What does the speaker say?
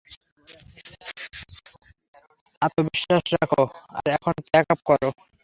আত্যবিশ্বাস রাখো, আর এখন প্যাক আপ করো।